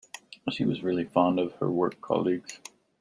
She was really fond of her work colleagues.